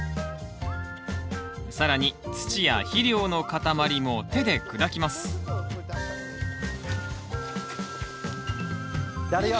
更に土や肥料の塊も手で砕きますやるよ。